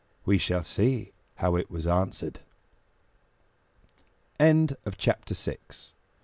We shall see how it was answered. CHAPTER VII.